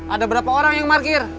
ada berapa orang yang parkir